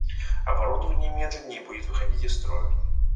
Оборудование медленнее будет выходить из строя